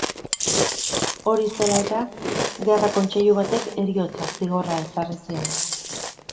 Hori zela eta, gerra-kontseilu batek heriotza zigorra ezarri zion.